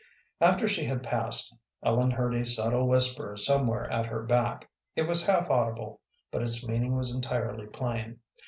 After she had passed, Ellen heard a subtle whisper somewhere at her back; it was half audible, but its meaning was entirely plain.